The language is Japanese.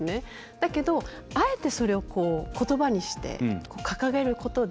だけど、あえてそれを、ことばにして掲げることで